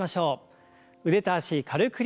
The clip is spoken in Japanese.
腕と脚軽く振ります。